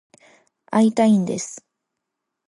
会いたいんです。